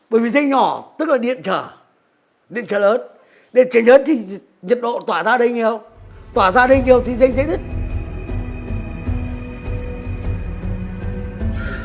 bởi vì dây nhỏ tức là điện trở điện trở lớn điện trở lớn thì nhiệt độ tỏa ra đây nghe không tỏa ra đây nghe không thì dây sẽ đứt